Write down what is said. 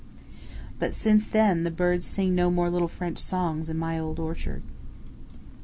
But since then the birds sing no more little French songs in my old orchard.